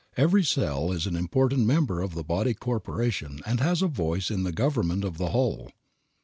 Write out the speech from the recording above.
Every cell is an important member of the body corporation and has a voice in the government of the whole.